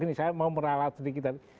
ini saya mau meralat sedikit tadi